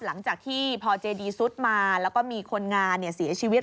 หลังจากที่พอเจดีซุดมาแล้วก็มีคนงานเสียชีวิต